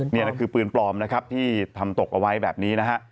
นี่คือปืนปลอมนะครับที่ทำตกเอาไว้แบบนี้นะฮะ